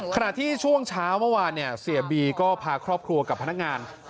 ขณะที่ช่วงเช้าเมื่อวานเนี่ยเสียบีก็พาครอบครัวกับพนักงาน